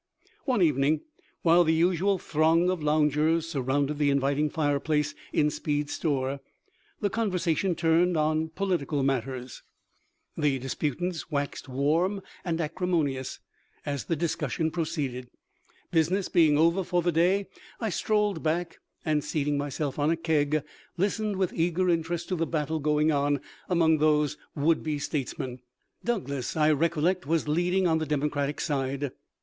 One evening, while the usual throng of loungers surrounded the inviting fireplace in Speed's store, the conversation turned on political matters. The 192 THE LIFE OF LINCOLN. disputants waxed warm and acrimonious as the discussion proceeded. Business being over for the day, I strolled back and seating myself on a keg listened with eager interest to the battle going on among these would be statesmen. Douglas, I rec ollect, was leading on the Democratic side.